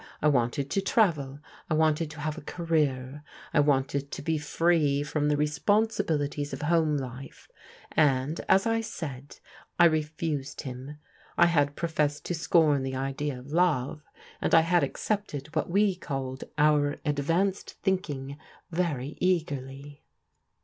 I wanted to travel. I wanted to have a career. I wanted to be free from the responsibilities of home life, and, as I said, I refused him. I had professed to scorn the idea of love, and I had accepted what we called our advanced thinking very eagerly."